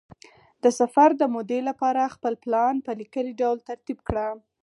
د سفر د مودې لپاره خپل پلان په لیکلي ډول ترتیب کړه.